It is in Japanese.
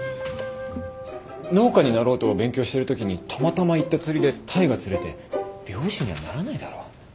農家になろうと勉強してるときにたまたま行った釣りでタイが釣れて漁師にはならないだろ？